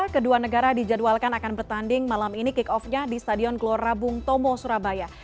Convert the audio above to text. kedua negara dijadwalkan akan bertanding malam ini kick off nya di stadion gelora bung tomo surabaya